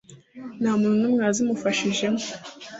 nta muntu n'umwe wazimufashijemo.